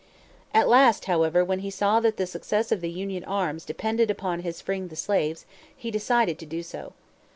At last, however, when he saw that the success of the Union arms depended upon his freeing the slaves, he decided to do so.